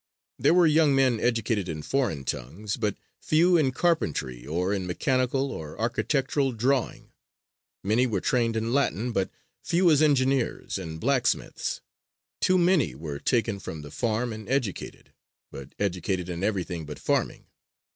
There were young men educated in foreign tongues, but few in carpentry or in mechanical or architectural drawing. Many were trained in Latin, but few as engineers and blacksmiths. Too many were taken from the farm and educated, but educated in everything but farming.